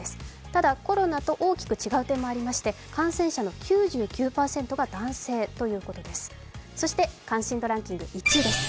ただ、コロナと大きく違う点もありまして感染者の９９％が男性ということです。